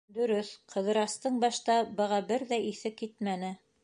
Дөрөҫ, Ҡыҙырастың башта быға бер ҙә иҫе китмәне.